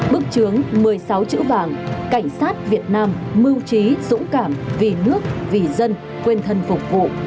bức chướng một mươi sáu chữ vàng cảnh sát việt nam mưu trí dũng cảm vì nước vì dân quên thân phục vụ